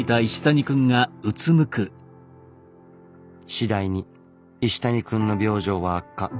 次第に石谷くんの病状は悪化。